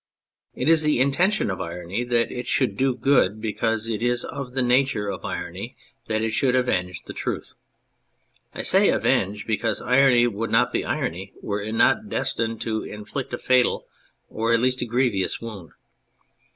It is in the intention of irony that it should do good, because it is of the nature of irony that it should avenge the truth. I say "avenge" because irony would not be irony were it not destined to inflict a fatal, or at least a grievous, wound.